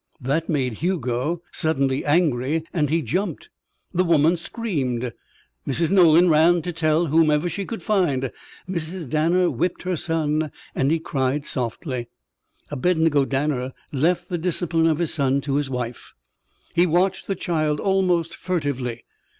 That made Hugo suddenly angry and he jumped. The woman screamed. Mrs. Nolan ran to tell whomever she could find. Mrs. Danner whipped her son and he cried softly. Abednego Danner left the discipline of his son to his wife. He watched the child almost furtively.